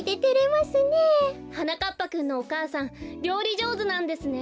はなかっぱくんのお母さんりょうりじょうずなんですね。